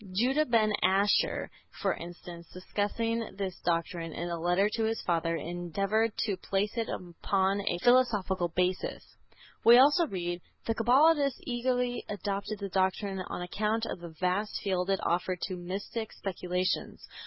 Juda ben Asher (Asheri) for instance, discussing this doctrine in a letter to his father endeavored to place it upon a philosophical basis." (Jewish Encyclopedia, Vol. XII, p. 232.) We also read, "The Cabalists eagerly adopted the doctrine on account of the vast field it offered to mystic speculations.